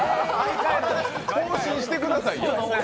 更新してくださいよ。